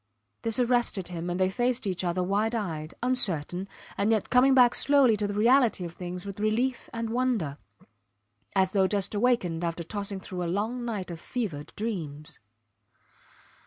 This arrested him, and they faced each other wide eyed, uncertain, and yet coming back slowly to the reality of things with relief and wonder, as though just awakened after tossing through a long night of fevered dreams.